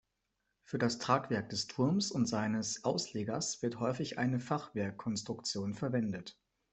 Für das Tragwerk des Turms und seines Auslegers wird häufig eine Fachwerkkonstruktion verwendet.